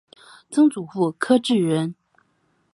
曾祖父柯志仁。